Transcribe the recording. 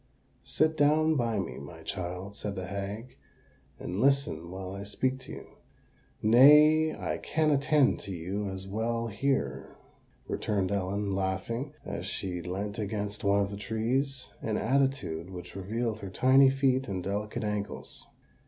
"Sit down by me, my child," said the hag, "and listen while I speak to you." "Nay—I can attend to you as well here," returned Ellen, laughing, as she leant against one of the trees—an attitude which revealed her tiny feet and delicate ankles.